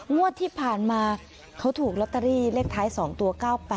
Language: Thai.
งวดที่ผ่านมาเขาถูกลอตเตอรี่เลขท้าย๒ตัว๙๘